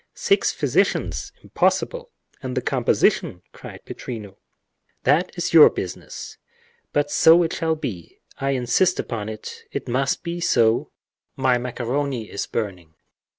"Six physicians! impossible! And the composition?" cried Pittrino. "That is your business—but so it shall be—I insist upon it—it must be so—my macaroni is burning."